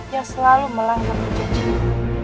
yang selalu melanggar perjanjian